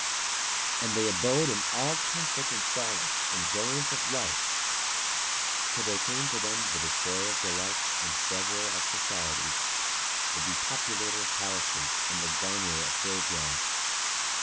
And they abode in all comfort and solace and joyance of life, till there came to them the Destroyer of delights and Severer of societies; the Depopulator of palaces and the Garnerer of graveyards.